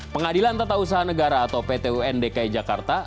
pengadilan tata usaha negara atau pt undki jakarta